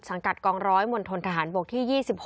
สังกัดกองร้อยมวลทนทหารบกที่๒๖